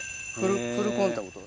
フルコンタクトだ。